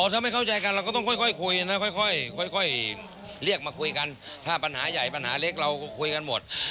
ถ้าไม่เข้าใจกันเราก็ต้องค่อยคุยนะค่อยเรียกมาคุยกันถ้าปัญหาใหญ่ปัญหาเล็กเราก็คุยกันหมด